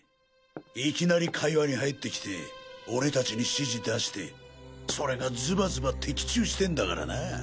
いきなり会話に入ってきて俺達に指示出してそれがズバスバ的中してんだからなぁ。